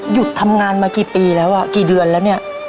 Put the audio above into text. หยุดทำงานมากี่ปีแล้วอ่ะกี่เดือนแล้วเนี่ย